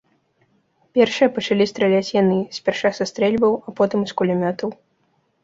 Першыя пачалі страляць яны, спярша са стрэльбаў, а потым і з кулямётаў.